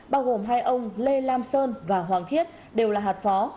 bao gồm hai ông lê lam sơn và hoàng thiết đều là hạt phó